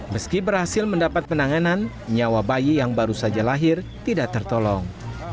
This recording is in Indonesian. meski berhasil mendapat penanganan nyawa bayi yang baru saja lahir tidak tertolong